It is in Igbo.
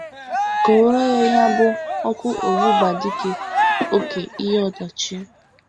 kọwara ya bụ ọkụ ọgbụgba dịka oke ihe ọdachi